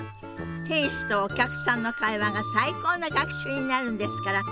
店主とお客さんの会話が最高の学習になるんですから。